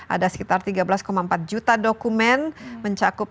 ada sekitar tiga belas empat juta dokumen mencakup